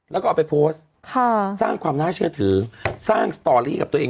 แล้วก็เอาไปโพสต์สร้างความน่าเชื่อถือสร้างสตอรี่กับตัวเอง